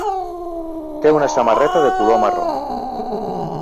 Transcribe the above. Té una samarreta de color marró.